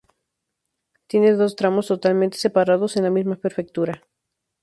Tiene dos tramos totalmente separados en la misma prefectura.